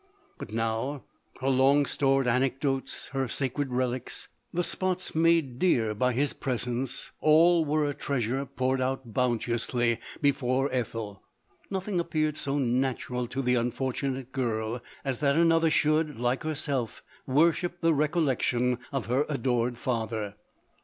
But now her long stored anecdotes, her sacred relics, the spots made dear by his presence, all were a trea sure poured out bounteously before Ethel. No thing appeared so natural to the unfortunate girl as that another should, like herself, wor ship the recollection of her adored father.